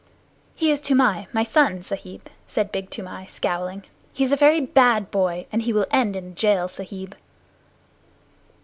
"He is Toomai, my son, Sahib," said Big Toomai, scowling. "He is a very bad boy, and he will end in a jail, Sahib."